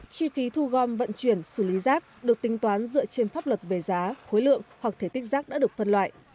chi phí thu gom vận chuyển xử lý rác được tính toán dựa trên pháp luật về giá khối lượng hoặc thể tích rác đã được phân loại